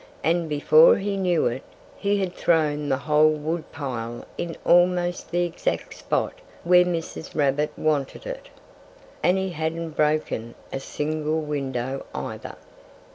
And before he knew it he had thrown the whole wood pile in almost the exact spot where Mrs. Rabbit wanted it. And he hadn't broken a single window, either.